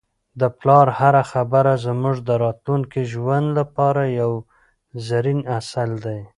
د پلار هره خبره زموږ د راتلونکي ژوند لپاره یو زرین اصل دی.